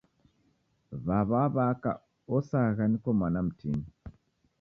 W'aw'a wa w'aka osagha niko mwana mtini